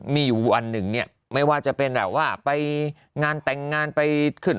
มีอยู่อันหนึ่งเนี่ยไม่ว่าจะเป็นแบบว่าไปงานแต่งงานไปขึ้น